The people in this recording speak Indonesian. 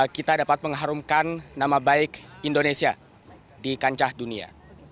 kita dapat mengharumkan nama baik indonesia di kancah dunia